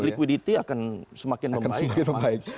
liquidity akan semakin membaik